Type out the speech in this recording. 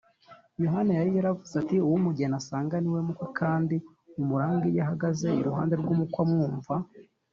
yohana yari yaravuze ati, “uwo umugeni asanga ni we mukwe, kandi umuranga iyo ahagaze iruhande rw’umukwe amwumva,